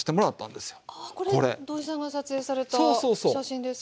これ土井さんが撮影された写真ですか？